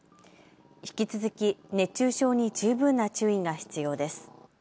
引き続き熱中症に十分な注意が必要です。